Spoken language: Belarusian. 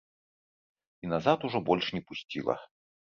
І назад ужо больш не пусціла.